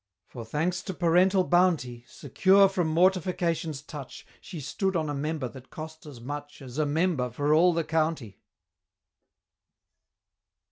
For, thanks to parental bounty, Secure from Mortification's touch, She stood on a Member that cost as much As a Member for all the County!